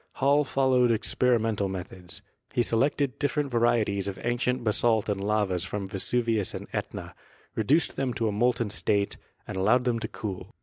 Hall followed experimental methods ; he selected different vari eties of ancient basalt and lavas from Vesuvius and Etna, reduced them to a molten state and allowed them to cool.